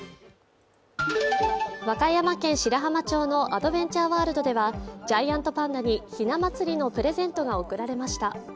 和歌山県白浜町のアドベンチャーワールドではジャイアントパンダにひな祭りのプレゼントが贈られました。